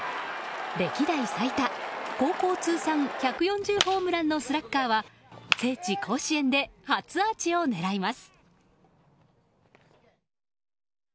歴代最多、高校通算１４０ホームランのスラッガーは聖地・甲子園で初アーチを狙います。